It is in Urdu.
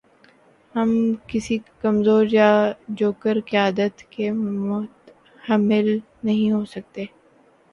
ہم کسی کمزور یا جوکر قیادت کے متحمل نہیں ہو سکتے۔